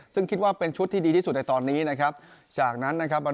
ซึ่งคิดว่าเป็นชุดที่ดีที่สุดในตอนนี้นะครับจากนั้นนะครับ